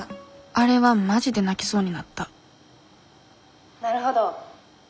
あれはマジで泣きそうになった「なるほど」。